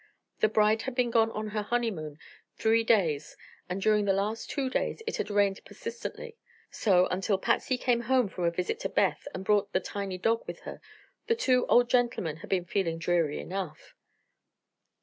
The bride had been gone on her honeymoon three days, and during the last two days it had rained persistently; so, until Patsy came home from a visit to Beth and brought the tiny dog with her, the two old gentlemen had been feeling dreary enough.